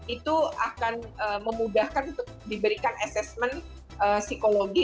itu akan memudahkan untuk diberikan assessment psikologi